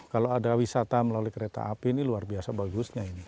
kalau ada wisata melalui kereta api ini luar biasa bagusnya ini